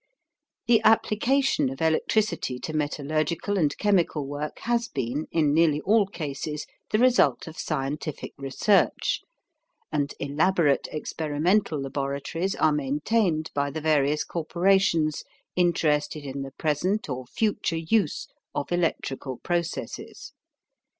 The application of electricity to metallurgical and chemical work has been, in nearly all cases, the result of scientific research, and elaborate experimental laboratories are maintained by the various corporations interested in the present or future use of electrical processes.